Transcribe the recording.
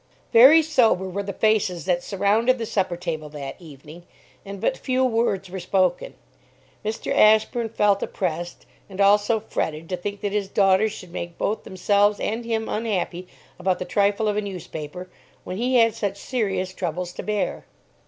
Very sober were the faces that surrounded the supper table that evening; and but few words were spoken. Mr. Ashburn felt oppressed, and also fretted to think that his daughters should make both themselves and him unhappy about the trifle of a newspaper, when he had such serious troubles to bear.